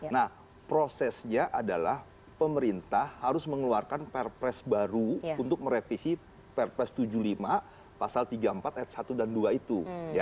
nah prosesnya adalah pemerintah harus mengeluarkan perpres baru untuk merevisi perpres tujuh puluh lima pasal tiga puluh empat ayat satu dan dua itu